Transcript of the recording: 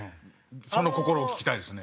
その心を聞きたいですね。